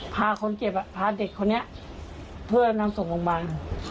พาคนเจ็บพาเด็กคนนี้เพื่อนำส่งโรงพยาบาล